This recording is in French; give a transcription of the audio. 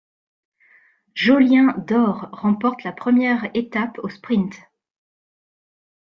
Jolien D'Hoore remporte la première étape au sprint.